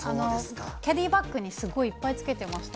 キャリーバッグにすごいいっぱいつけてました。